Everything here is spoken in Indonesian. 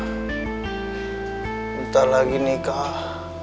sebentar lagi nikah